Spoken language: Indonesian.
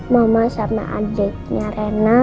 mama sama adiknya rina